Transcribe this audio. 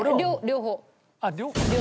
両方。